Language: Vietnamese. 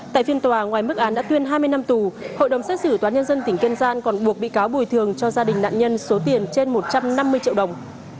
tại phiên tòa ngoài mức án đã tuyên hai mươi năm tù hội đồng xét xử tòa nhân dân tỉnh kiên giang còn buộc bị cáo bồi thường cho gia đình nạn nhân số tiền trên một trăm năm mươi triệu đồng